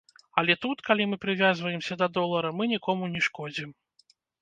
Але тут, калі мы прывязваемся да долара, мы нікому не шкодзім.